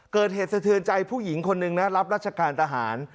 เกิดเหตุสะเทือนใจผู้หญิงคนหนึ่งนะรับราชการทหาร